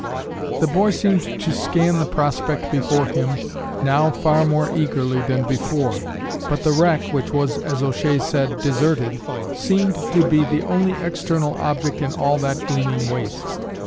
The boy seemed to scan the prospect before him now far more eagerly than before; but the wreck, which was, as O'Shea said, deserted, seemed to be the only external object in all that gleaming waste.